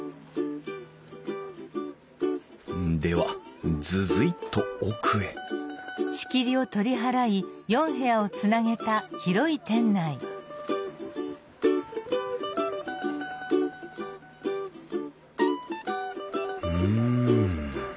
ではズズィッと奥へうん。